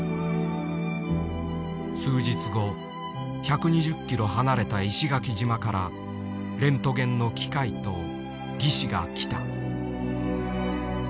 数日後１２０キロ離れた石垣島からレントゲンの機械と技師が来た。